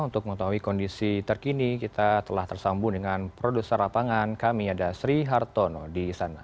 untuk mengetahui kondisi terkini kita telah tersambung dengan produser lapangan kami ada sri hartono di sana